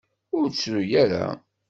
Ur ttru ara.